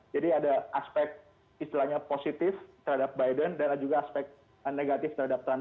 jadi ada aspek positif terhadap biden dan ada juga aspek negatif terhadap trump